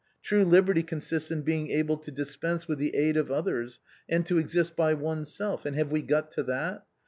True liberty consists in being able to dispense with the aid of others, and to exist by oneself, and have we got to that?